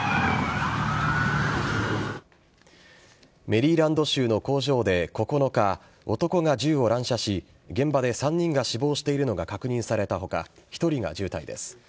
メリーランド州の工場で９日男が銃を乱射し現場で３人が死亡しているのが確認された他１人が重体です。